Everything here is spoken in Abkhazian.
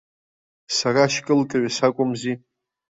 Сара ашькылкҩы сакәымзи.